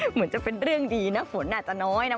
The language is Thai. เหมือนจะเป็นเรื่องดีนะฝนอาจจะน้อยนะ